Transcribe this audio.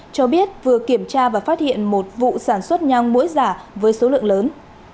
cho biết vừa kiểm tra và phát hiện một vụ sản xuất nhang mũi giả với số lượng lớn